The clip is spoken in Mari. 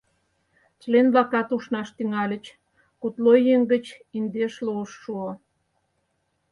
Член-влакат ушнаш тӱҥальыч, кудло еҥ гыч индешлуыш шуо.